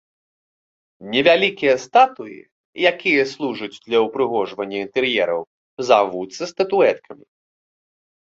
Невялікія статуі, які служыць для ўпрыгожвання інтэр'ераў, завуцца статуэткамі.